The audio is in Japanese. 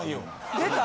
・出た・